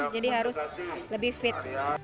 jadi harus lebih fit